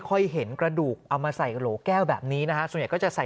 เห็นกระดูกเอามาใส่โหลแก้วแบบนี้นะฮะส่วนใหญ่ก็จะใส่